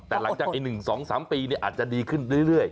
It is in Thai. แต่หลังจากไอ้๑๒๓ปีเนี่ยเนี่ยอาจจะดีขึ้นเรื่อย